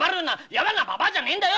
やわなババアじゃねえんだよ